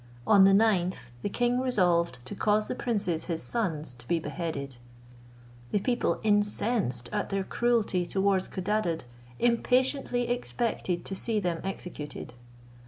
On the ninth the king resolved to cause the princes his sons to be beheaded. The people incensed at their cruelty towards Codadad, impatiently expected to see them executed.